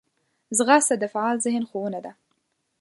ځغاسته د فعال ذهن ښوونه ده